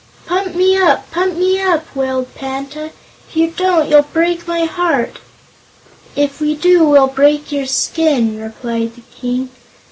"Pump me up pump me up!" wailed Panta "If you don't you'll break my heart." "If we do we'll break your skin," replied the King.